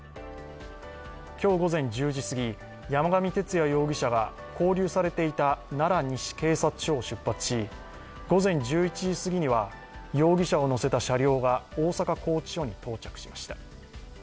今日午前１０時すぎ、山上徹也容疑者が勾留されていた奈良西警察署を出発し、午前１１時過ぎには容疑者を乗せた車両が大阪拘置所に到着しました。